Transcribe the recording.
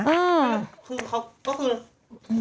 คือเขาก็คือ